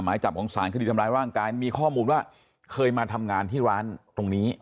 หมายจับของสารคดีทำร้ายร่างกายมีข้อมูลว่าเคยมาทำงานที่ร้านตรงนี้